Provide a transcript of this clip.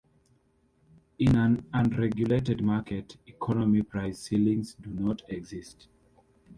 In an unregulated market economy price ceilings do not exist.